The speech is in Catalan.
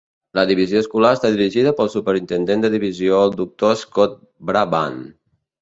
La divisió escolar està dirigida pel Superintendent de divisió el Doctor Scott Brabrand.